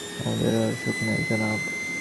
আমাদের আর সুখ নাই, জনাব।